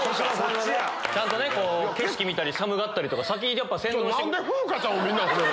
ちゃんと景色見たり寒がったり先導して。